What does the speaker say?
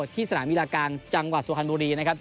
ที่สนามอินาคารจังหวัดสวทธิ์ภัณฑ์บุรีนะครับ